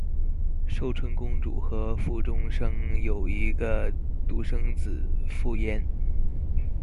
寿春公主和傅忠生有一个独生子傅彦。